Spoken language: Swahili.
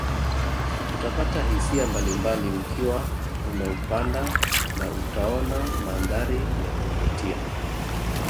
Utapata hisia mbalimbali ukiwa unaupanda na utaona mandhari ya kuvutia